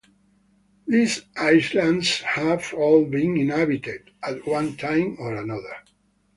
These islands have all been inhabited at one time or another.